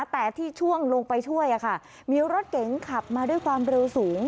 แต่ที่ช่วงลงไปช่วยมีรถเก๋งขับมาด้วยความเร็วสูง